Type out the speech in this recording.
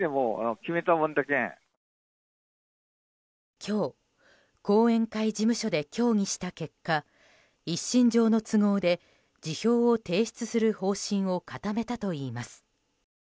今日、後援会事務所で協議した結果一身上の都合で辞表を提出する方針を固めたといいます。